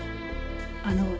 あの。